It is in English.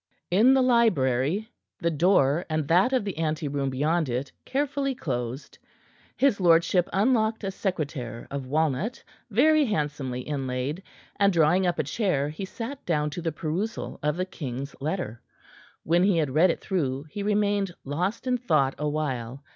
In the library the door, and that of the ante room beyond it, carefully closed his lordship unlocked a secretaire of walnut, very handsomely inlaid, and, drawing up a chair, he sat down to the perusal of the king's letter. When he had read it through, he remained lost in thought a while.